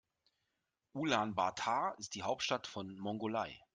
Ulaanbaatar ist die Hauptstadt von Mongolei.